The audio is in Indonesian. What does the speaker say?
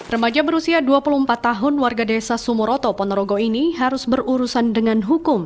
remaja berusia dua puluh empat tahun warga desa sumoroto ponorogo ini harus berurusan dengan hukum